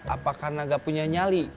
apa karena gak punya nyali